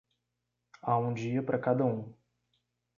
Há um dia para cada um.